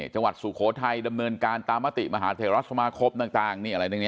จังหวัดสุโขทัยดำเนินการตามมติมหาธระสมครบต่าง